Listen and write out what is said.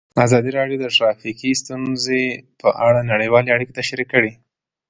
ازادي راډیو د ټرافیکي ستونزې په اړه نړیوالې اړیکې تشریح کړي.